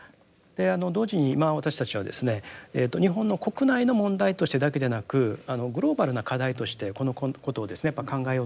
同時に今私たちはですね日本の国内の問題としてだけでなくグローバルな課題としてこのことをやっぱ考えようとしてるんですが。